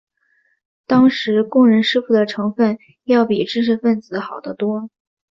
当时工人师傅的成分要比知识分子好得多。